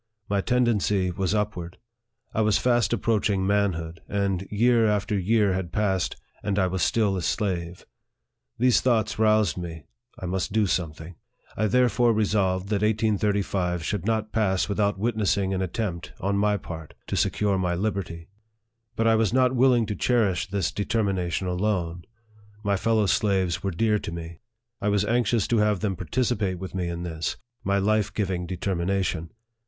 My tendency was upward. I was fast approaching manhood, and year after year had passed, and I was still a slave. These thoughts roused me I must do something. I therefore re solved that 1835 should not pass without witnessing an attempt, on my part, to secure my liberty. But I was not willing to cherish this determination alone. My fellow slaves were dear to me. I was anxious to have them participate with me in this, my life giving deter mination.